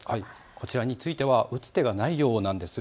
こちらについては打つ手がないようなんです。